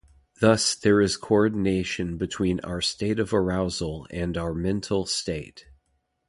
Thus, there is coordination between our state of arousal and our mental state.